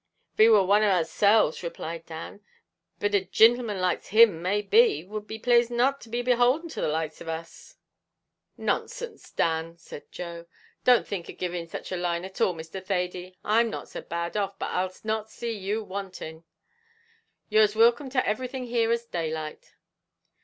"Av he wor one of ourselves," replied Dan; "but a gintleman the likes of him, may be, would be plased not to be beholden to the likes of us." "Nonsense, Dan," said Joe; "don't think of giving such a line at all, Mr. Thady. I'm not so bad off, but I'll not see you wanting; you're as wilcome to everything here as daylight."